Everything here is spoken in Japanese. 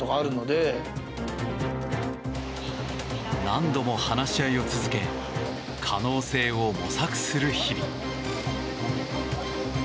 何度も話し合いを続け可能性を模索する日々。